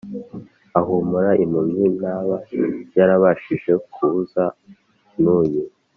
Ahumura impumyi ntaba yarabashije kubuza n uyu